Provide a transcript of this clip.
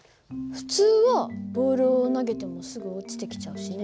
普通はボールを投げてもすぐ落ちてきちゃうしね。